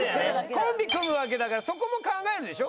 コンビ組むわけだからそこも考えるでしょ？